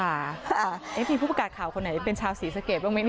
มีผู้ประกาศข่าวคนไหนเป็นชาวศรีสะเกดบ้างไหม